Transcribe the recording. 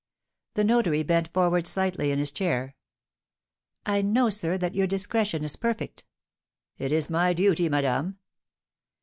The notary bent forward slightly in his chair. "I know, sir, that your discretion is perfect." "It is my duty, madame."